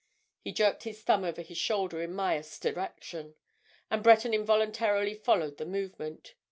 He jerked his thumb over his shoulder in Myerst's direction, and Breton involuntarily followed the movement.